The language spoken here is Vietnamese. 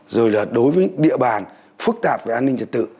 rồi là đối với địa bàn phức tạp về an ninh trật tự